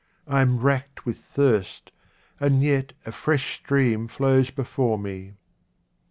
I am racked with thirst, and yet a fresh stream flows before me.